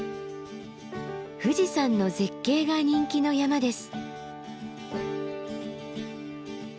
富士山の絶景が人気の山です。